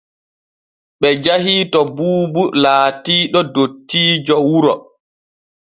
Ɓe jahii to Buubu laatiiɗo dottiijo wuro.